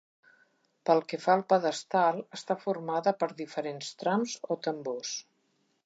Pel que fa al pedestal, està formada per diferents trams o tambors.